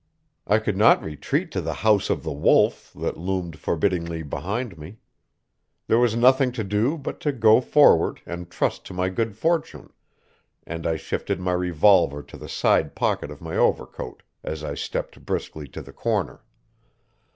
I could not retreat to the house of the Wolf that loomed forbiddingly behind me. There was nothing to do but to go forward and trust to my good fortune, and I shifted my revolver to the side pocket of my overcoat as I stepped briskly to the corner.